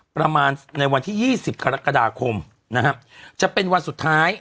ประมาณในวันที่๒๐กรกฎาคมนะฮะจะเป็นวันสุดท้าย